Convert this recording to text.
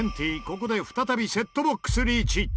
ここで再びセットボックスリーチ。